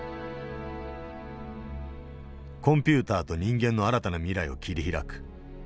コンピューターと人間の新たな未来を切り開く。